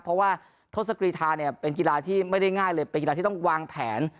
เพราะว่าทศกรีธาเนี่ยเป็นกีฬาที่ไม่ได้ง่ายเลยเป็นกีฬาที่ต้องวางแผน